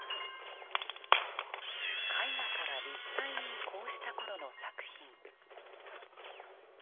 絵画から立体に移行したころの作品。